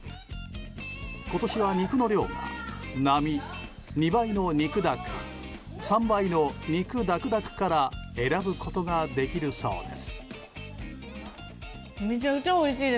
今年は肉の量が並、２倍の肉だく３倍の肉だくだくから選ぶことができるそうです。